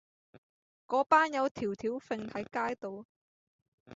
嗰班友吊吊揈喺街度